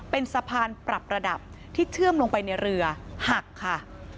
เป็นสะพานปรับระดับที่เชื่อมลงไปในเรือหักค่ะ